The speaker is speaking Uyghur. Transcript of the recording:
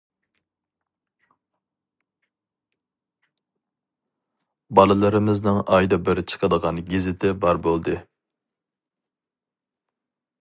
بالىلىرىمىزنىڭ ئايدا بىر چىقىدىغان گېزىتى بار بولدى.